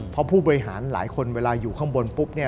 เพราะผู้บริหารหลายคนเวลาอยู่ข้างบนปุ๊บเนี่ย